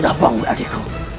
sudah bangun adeku